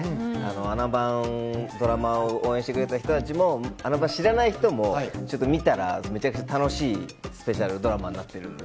『あな番』ドラマを応援してくれた人も『あな番』を知らない人も見たらめちゃくちゃ楽しいスペシャルドラマになっているので。